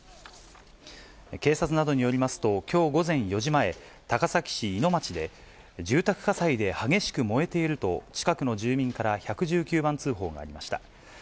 警察などによりますと、きょう午前４時前、高崎市井野町で、住宅火災で激しく燃えていると、近くの住民から１１９番通報がありました。